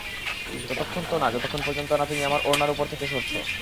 ততক্ষণ তো না যতক্ষন পর্যন্ত না তুমি আমার উড়নার উপর থেকে না সরছ।